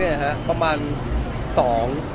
อ๋อน้องมีหลายคน